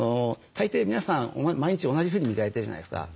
大抵皆さん毎日同じふうに磨いてるじゃないですか。